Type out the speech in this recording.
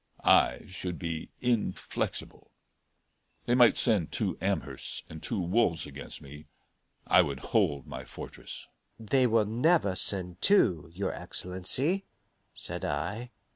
I should be inflexible. They might send two Amhersts and two Wolfes against me, I would hold my fortress." "They will never send two, your Excellency," said I.